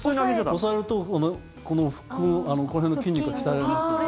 押さえるとこの辺の筋肉が鍛えられますから。